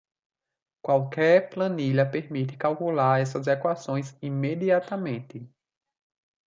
Qualquer planilha permite calcular essas equações imediatamente.